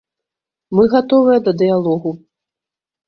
Мы гатовыя да дыялогу.